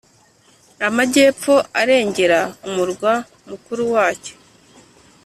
amajyepfo arengera umurwa mukuru wacyo